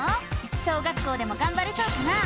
小学校でもがんばれそうかな？